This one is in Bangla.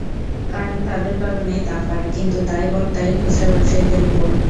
কারণ তাঁদের কারণেই দাম বাড়ে, কিন্তু দায় বর্তায় খুচরা ব্যবসায়ীদের ওপর।